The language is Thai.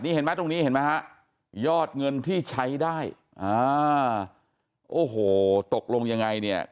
เห็นไหมตรงนี้เห็นไหมฮะยอดเงินที่ใช้ได้อ่าโอ้โหตกลงยังไงเนี่ย